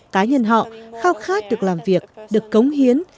cá nhân họ khao khát được làm việc được cống hiến